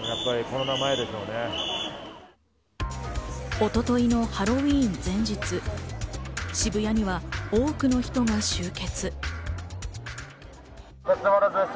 一昨日のハロウィーン前日、渋谷には多くの人が集結。